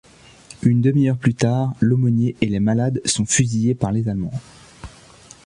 Une demi-heure plus tard, l’aumônier et les malades sont fusillés par les allemands.